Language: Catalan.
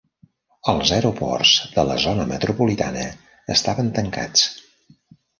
Els aeroports de la zona metropolitana estaven tancats.